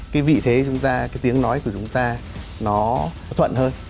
cái vị thế chúng ta cái tiếng nói của chúng ta nó thuận hơn